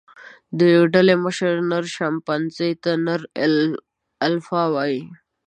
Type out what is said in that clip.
د ډلې مشره، نر شامپانزي ته نر الفا وایي.